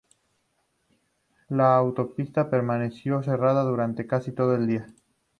La autopista permaneció cerrada durante casi todo el día.